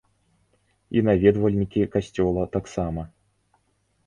І наведвальнікі касцёла таксама.